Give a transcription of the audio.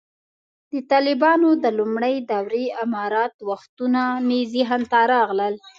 د طالبانو د لومړۍ دورې امارت وختونه مې ذهن ته راغلل.